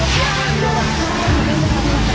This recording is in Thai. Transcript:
สุดท้ายสุดท้ายสุดท้าย